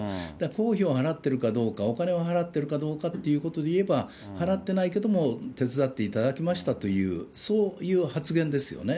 公費を払ってるかどうか、お金を払ってるかどうかっていうことで言えば、払ってないけども、手伝っていただきましたという、そういう発言ですよね。